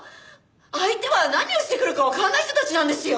相手は何をしてくるかわからない人たちなんですよ！？